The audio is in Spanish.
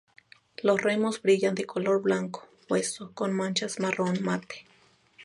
Los remos brillan, de color blanco hueso, con manchas marrón mate.